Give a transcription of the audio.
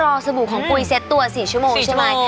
สบู่ของปุ๋ยเซ็ตตัว๔ชั่วโมงใช่ไหม